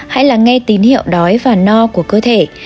hay là nghe tín hiệu đói và no của cơ thể